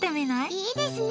いいですね。